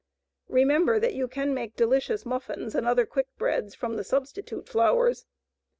Remember that you can make delicious muffins and other quick breads from the substitute flours.